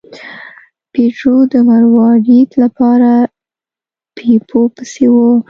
پیټرو د مروارید لپاره بیپو پسې و.